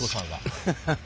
アハハハ。